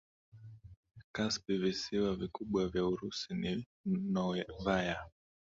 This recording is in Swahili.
Kaspi Visiwa vikubwa vya Urusi ni Novaya